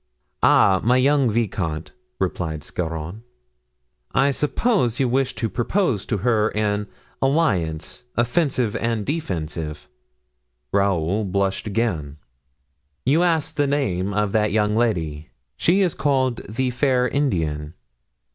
"Ah! my young vicomte," replied Scarron, "I suppose you wish to propose to her an alliance offensive and defensive." Raoul blushed again. "You asked the name of that young lady. She is called the fair Indian."